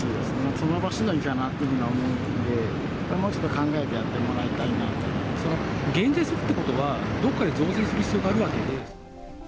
その場しのぎかなっていうふうには思うんで、もうちょっと考えて減税するということは、どこかで増税する必要があるわけで。